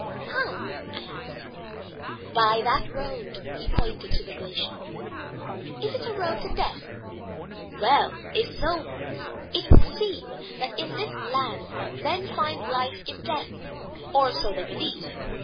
"How?" I asked. "By that road," and he pointed to the glacier. "It is a road to death!" "Well, if so, Horace, it would seem that in this land men find life in death, or so they believe.